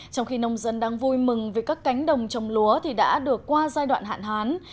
trong khi nông dân đang vui mừng vì các cánh đồng trồng lúa đã được qua giai đoạn hạn hán